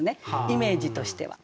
イメージとしては。